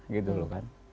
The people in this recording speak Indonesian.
gitu loh kan